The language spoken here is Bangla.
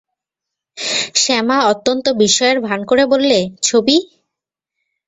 শ্যামা অত্যন্ত বিস্ময়ের ভান করে বললে, ছবি!